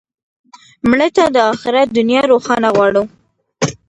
مړه ته د آخرت دنیا روښانه غواړو